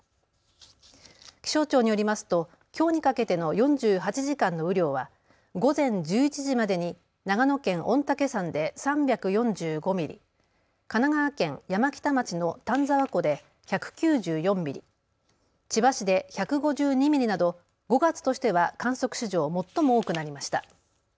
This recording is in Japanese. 気象庁によりますときょうにかけての４８時間の雨量は午前１１時までに長野県御嶽山で３４５ミリ、神奈川県山北町の丹沢湖で１９４ミリ、千葉市で１５２ミリなど５月としては観測史上最も多くなりました。